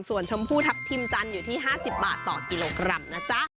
ส่วนชมพูทัพทิมจันทร์อยู่ที่๕๐บาทต่อกิโลกรัมนะจ๊ะ